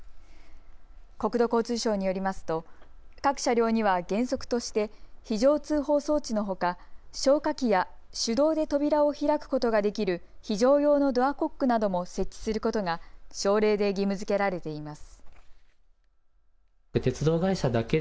国土交通省によりますと各車両には原則として非常通報装置のほか消火器や手動で扉を開くことができる非常用のドアコックなども設置することが省令で義務づけられています。